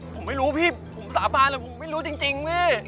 ผมไม่รู้พี่ผมสามารถผมไม่รู้จริง